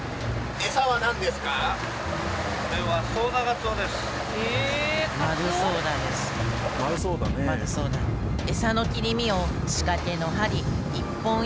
エサの切り身を仕掛けの針一本一本につけていきます。